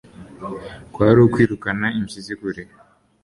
Kwari ukwirukana impyisi kure